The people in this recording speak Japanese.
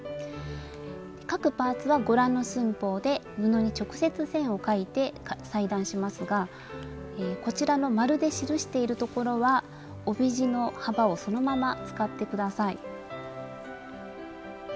各パーツはご覧の寸法で布に直接線を描いて裁断しますがこちらの丸で記しているところは帯地の幅をそのまま使って下さい。